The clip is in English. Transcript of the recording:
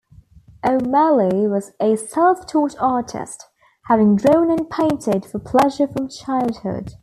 O'Malley was a self-taught artist, having drawn and painted for pleasure from childhood.